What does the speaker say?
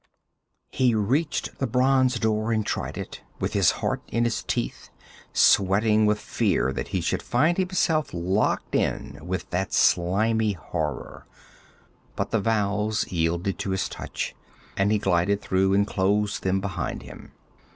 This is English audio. He reached the bronze door and tried it, with his heart in his teeth, sweating with fear that he should find himself locked in with that slimy horror. But the valves yielded to his touch, and he glided through and closed them behind him.